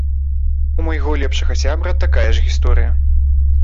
І ў майго лепшага сябра такая ж гісторыя.